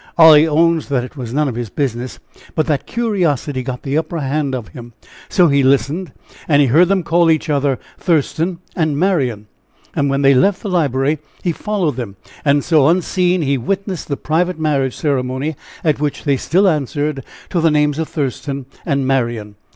Olly owns that it was none of his business, but that curiosity got the upper hand of him, so he listened, and he heard them call each other 'Thurston' and 'Marian' and when they left the library, he followed them and so, unseen, he witnessed the private marriage ceremony, at which they still answered to the names of 'Thurston' and 'Marian.'